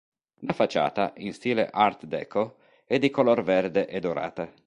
La facciata, in stile art déco, è di color verde e dorata.